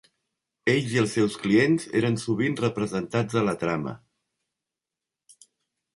Ells i els seus clients eren sovint representats a la trama.